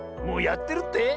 もうやってるって？